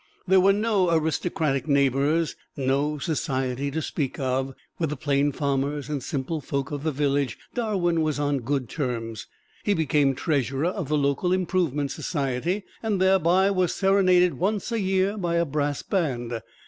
There were no aristocratic neighbors, no society to speak of. With the plain farmers and simple folk of the village Darwin was on good terms. He became treasurer of the local improvement society, and thereby was serenaded once a year by a brass band.